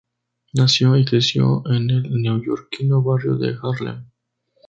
Nació y creció en el neoyorquino barrio de Harlem.